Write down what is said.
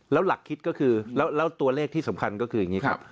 แล้วหลักคิดก็คือแล้วตัวเลขที่สำคัญก็คืออย่างนี้ครับ